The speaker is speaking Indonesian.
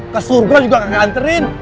ke surga juga gak nganterin